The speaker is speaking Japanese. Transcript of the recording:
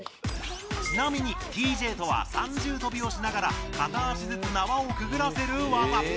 ちなみに「ＴＪ」とは三重跳びをしながら片足ずつ縄をくぐらせる技。